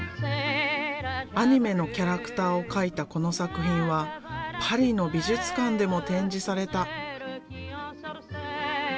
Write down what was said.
アニメのキャラクターを描いたこの作品はパリの美術館でも展示された。